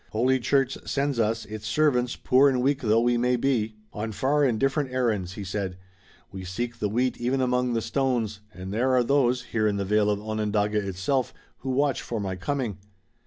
"Holy Church sends us, its servants, poor and weak though we may be, on far and different errands," he said. "We seek the wheat even among the stones, and there are those, here in the vale of Onondaga itself, who watch for my coming."